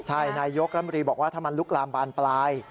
ใช่นายยกรัฐมนตรีบอกว่าถ้ามันลุกลามบานปลาย